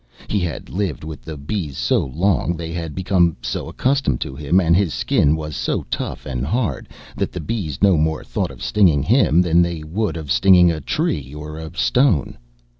He had lived with the bees so long, they had become so accustomed to him, and his skin was so tough and hard, that the bees no more thought of stinging him than they would of stinging a tree or a stone.